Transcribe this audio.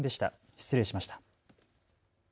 失礼しました。